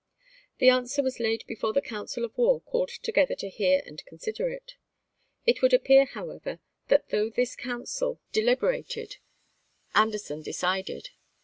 The answer was laid before the council of war called together to hear and consider it. It would Doubieday, appear, however, that though this council delib sumterand erated, Anderson decided.